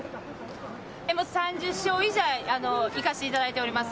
もう３０試合以上、行かせていただいております。